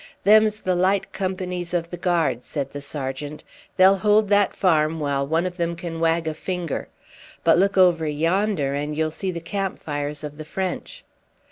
"Them's the light companies of the Guards," said the sergeant. "They'll hold that farm while one of them can wag a finger. But look over yonder and you'll see the camp fires of the French."